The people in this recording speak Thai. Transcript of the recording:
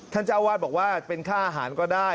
เจ้าวาดบอกว่าเป็นค่าอาหารก็ได้